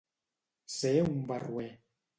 Ser un barroer.